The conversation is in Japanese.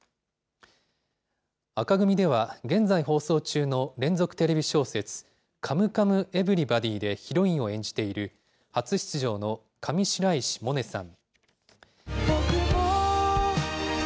紅組では、現在放送中の連続テレビ小説、カムカムエヴリバディでヒロインを演じている初出場の上白石萌音さん。